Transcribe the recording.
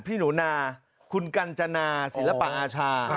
พี่หนูนาคุณกัญจนาศิลปะอาชา